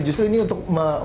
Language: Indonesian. justru ini untuk